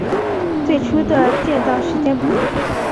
最初的建造时间不明。